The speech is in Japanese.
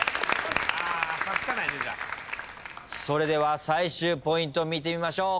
それでは最終ポイント見てみましょう。